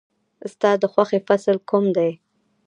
ستا د خوښې فصل کوم دی؟